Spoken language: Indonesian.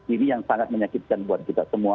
ini yang sangat menyakitkan buat kita semua